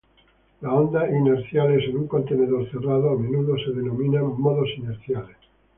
Las ondas inerciales en un contenedor cerrado a menudo se denominan modos inerciales.